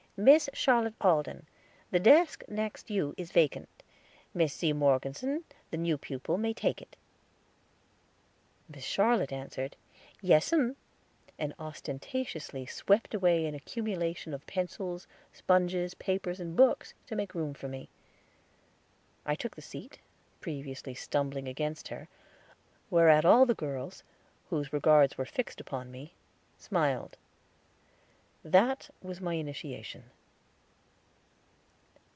"Miss Charlotte Alden, the desk next you is vacant; Miss C. Morgeson, the new pupil, may take it." Miss Charlotte answered, "Yes mim," and ostentatiously swept away an accumulation of pencils, sponges, papers, and books, to make room for me. I took the seat, previously stumbling against her, whereat all the girls, whose regards were fixed upon me, smiled. That was my initiation.